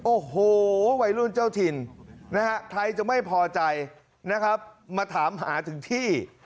โอ้โหวัยรุ่นเจ้าถิ่นนะฮะใครจะไม่พอใจนะครับมาถามหาถึงที่